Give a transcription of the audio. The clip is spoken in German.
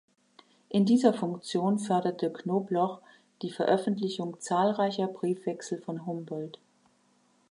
In dieser Funktion förderte Knobloch die Veröffentlichung zahlreicher Briefwechsel von Humboldt.